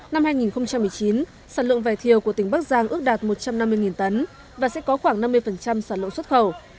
năm hai nghìn một mươi chín sản lượng vải thiều của tỉnh bắc giang ước đạt một trăm năm mươi tấn và sẽ có khoảng năm mươi sản lượng xuất khẩu